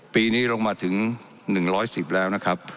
ปีนี้ลงมาถึง๑๑๐แล้วนะครับ